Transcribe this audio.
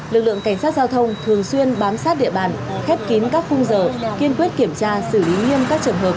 lực lượng cảnh sát giao thông thường xuyên bám sát địa bàn khép kín các khung giờ kiên quyết kiểm tra xử lý nghiêm các trường hợp